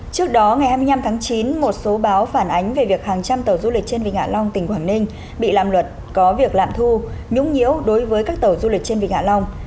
trước đó ngày hai mươi năm tháng chín một số báo phản ánh về việc hàng trăm tàu du lịch trên vịnh hạ long tỉnh quảng ninh bị làm luật có việc lạm thu nhũng nhiễu đối với các tàu du lịch trên vịnh hạ long